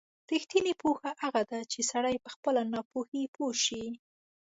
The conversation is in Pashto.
رښتینې پوهه هغه ده چې سړی په خپله ناپوهۍ پوه شي.